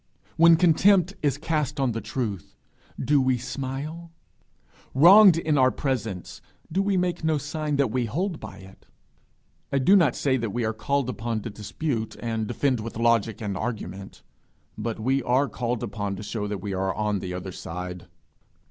When contempt is cast on the truth, do we smile? Wronged in our presence, do we make no sign that we hold by it? I do not say we are called upon to dispute, and defend with logic and argument, but we are called upon to show that we are on the other side.